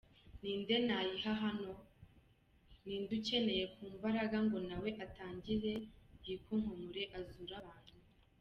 Ninde nayiha hano? Nine ukeneye ku mbaraga ngo nawe atangire yikunkumure azure abantu.